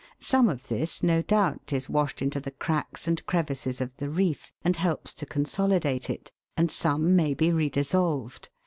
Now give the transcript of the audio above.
Some of this, no doubt, is washed into the cracks and crevices of the reef, and helps to consolidate it, and some may be re dissolved.